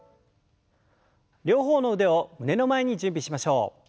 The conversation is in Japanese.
両方の腕を胸の前に準備しましょう。